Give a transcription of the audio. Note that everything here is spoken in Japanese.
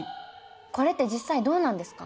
これって実際どうなんですか？